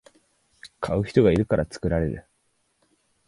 買う人がいるから作られる